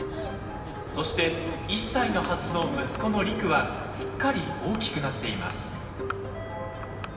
そして１才のはずの息子の璃久はすっかり大きくなっています。